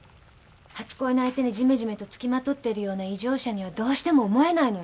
初恋の相手にジメジメと付きまとってるような異常者にはどうしても思えないのよ。